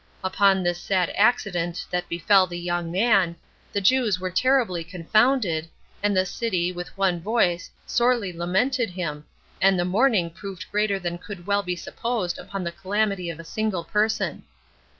Upon this sad accident that befell the young man, the Jews were terribly confounded, and the city, with one voice, sorely lamented him, and the mourning proved greater than could well be supposed upon the calamity of a single person.